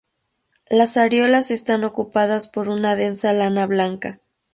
Las areolas están ocupadas por una densa lana blanca.